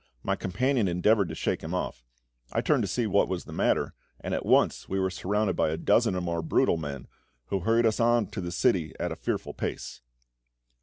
My companion endeavoured to shake him off. I turned to see what was the matter, and at once we were surrounded by a dozen or more brutal men, who hurried us on to the city at a fearful pace.